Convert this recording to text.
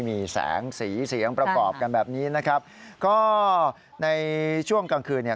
มีแสงสีเสียงประกอบกันแบบนี้นะครับก็ในช่วงกลางคืนเนี่ย